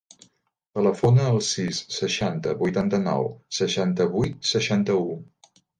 Telefona al sis, seixanta, vuitanta-nou, seixanta-vuit, seixanta-u.